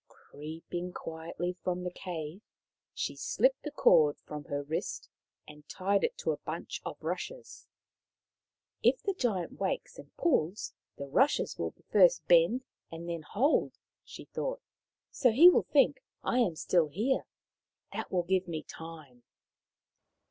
Creeping quietly from the cave, she slipped the cord from her wrist and tied it to a bunch of rushes. " If the Giant wakes and pulls, the rushes will first bend and then hold," she thought. " So he will think I am still here. That will give me time."